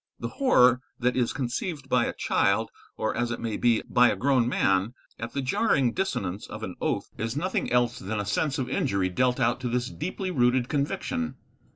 The horror that is conceived by a child, or, as it may be, by a grown man, at the jarring dissonance of an oath is nothing else than a sense of injury dealt out to this deeply rooted conviction.